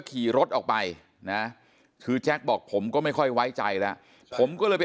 ขี่รถออกไปนะคือแจ๊คบอกผมก็ไม่ค่อยไว้ใจแล้วผมก็เลยไป